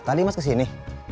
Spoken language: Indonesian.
tadi mas kesini